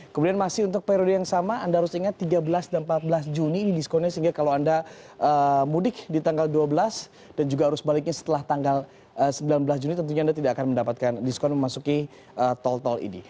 kemudian masih untuk periode yang sama anda harus ingat tiga belas dan empat belas juni ini diskonnya sehingga kalau anda mudik di tanggal dua belas dan juga arus baliknya setelah tanggal sembilan belas juni tentunya anda tidak akan mendapatkan diskon memasuki tol tol ini